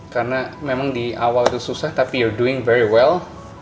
karena memang di awal itu susah tapi you're doing very well